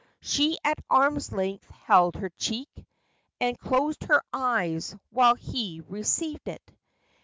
" She at arms length held her check, and Closed her eyes while he received it.